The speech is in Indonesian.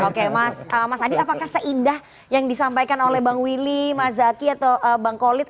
oke mas adi apakah seindah yang disampaikan oleh bang willy mas zaky atau bang kolit